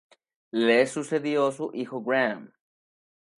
Le sucedió su hijo Gram